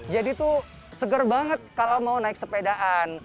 jadi tuh seger banget kalau mau naik sepedaan